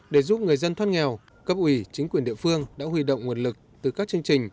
để giúp người dân thoát nghèo cấp ủy chính quyền địa phương đã huy động nguồn lực từ các chương trình